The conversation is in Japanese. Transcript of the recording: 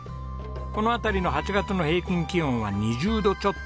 この辺りの８月の平均気温は２０度ちょっと。